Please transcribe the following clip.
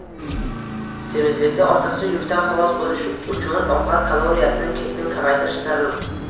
Semizlikda ortiqcha yukdan xalos bo‘lish uchun ovqat kaloriyasini keskin kamaytirish zarur.